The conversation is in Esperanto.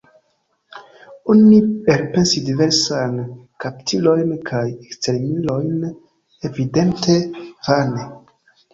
Oni elpensis diversajn kaptilojn kaj ekstermilojn, evidente vane.